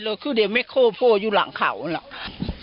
เจ้คเขาเหกวก็อื่นอยู่หลังเขาเหนือ